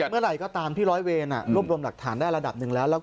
เมื่อไหร่ก็ตามที่ร้อยเวรรวบรวมหลักฐานได้ระดับหนึ่งแล้ว